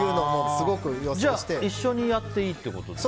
じゃあ一緒にやっていいってことですか。